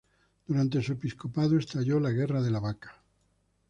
Durante su episcopado estalló la guerra de la vaca.